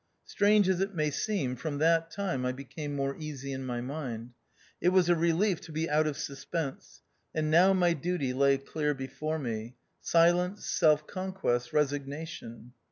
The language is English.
Strange as it may seem, from that time I became more easy in my mind. It was a relief to be out of suspense, and now my duty lay clear before me ; silence, self con quest, resignation.